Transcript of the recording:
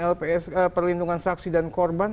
lpsk perlindungan saksi dan korban